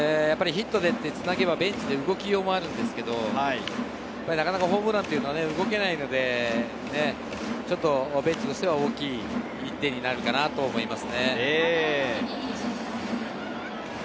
ヒットでつなげばベンチも動きようがあるんですが、ホームランは動けないので、ベンチとしては大きい１点になるかと思いますね。